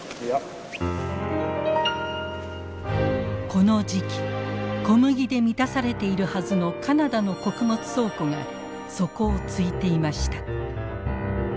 この時期小麦で満たされているはずのカナダの穀物倉庫が底をついていました。